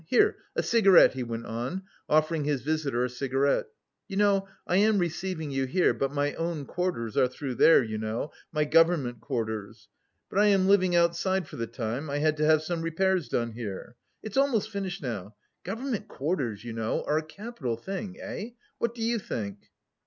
Here, a cigarette!" he went on, offering his visitor a cigarette. "You know I am receiving you here, but my own quarters are through there, you know, my government quarters. But I am living outside for the time, I had to have some repairs done here. It's almost finished now.... Government quarters, you know, are a capital thing. Eh, what do you think?"